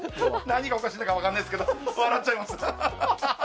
何がおかしいんだから分からないですけど、笑っちゃいます。